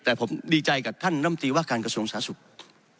แต่ผมดีใจกับท่านน้ำตีว่าการกระทรวงสาธารณสุข